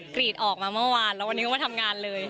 กรีดออกมาเมื่อวานแล้ววันนี้ก็มาทำงานเลย